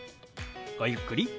ごゆっくり。